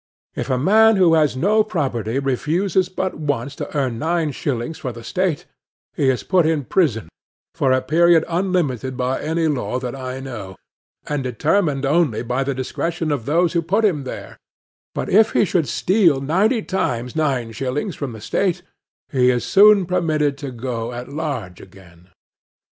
If a man who has no property refuses but once to earn nine shillings for the State, he is put in prison for a period unlimited by any law that I know, and determined only by the discretion of those who placed him there; but if he should steal ninety times nine shillings from the State, he is soon permitted to go at large again.